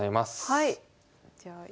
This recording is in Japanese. はい。